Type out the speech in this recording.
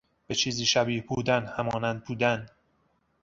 به چیزی شبیه بودن، همانند بودن